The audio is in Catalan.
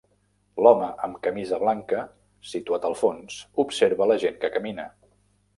L'home amb camisa blanca situat al fons, observa la gent que camina.